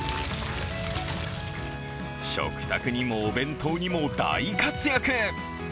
食卓にもお弁当にも大活躍。